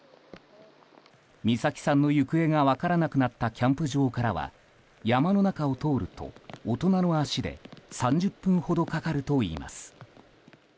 美咲さんの行方が分からなくなったキャンプ場からは山の中を通ると、大人の足で３０分ほどかかるといいます。